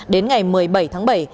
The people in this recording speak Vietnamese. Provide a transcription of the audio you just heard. đến ngày một mươi bảy tháng bảy